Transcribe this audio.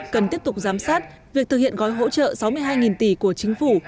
cần tiếp tục giám sát việc thực hiện gói hỗ trợ sáu mươi hai tỷ của chính phủ